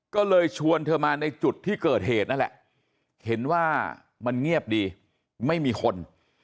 ก็เลยชวนเธอมาในจุดที่เกิดเหตุนั่นแหละเห็นว่ามันเงียบดีไม่มีคน